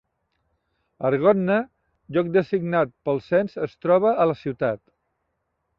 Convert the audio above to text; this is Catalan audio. Argonne, lloc designat pel cens, es troba a la ciutat.